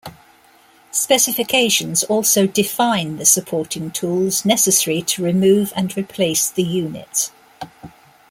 Specifications also define the supporting tools necessary to remove and replace the unit.